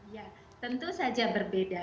ya tentu saja berbeda